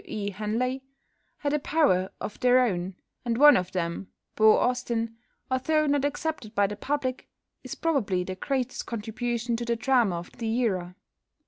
E. Henley had a power of their own, and one of them, "Beau Austin," although not accepted by the public, is probably the greatest contribution to the drama of the era.